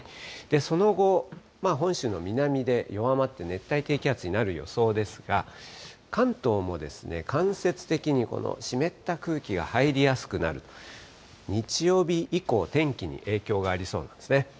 その後、本州の南で弱まって熱帯低気圧になる予想ですが、関東もですね、間接的にこの湿った空気が入りやすくなる、日曜日以降、天気に影響がありそうなんですね。